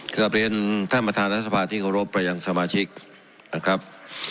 ครับเรียนท่านประธานาศาสตร์ที่รับประยังสมาชิกนะครับ